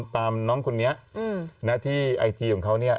ตามน้องคนนี้หน้าที่ไอทีของเขาเนี่ย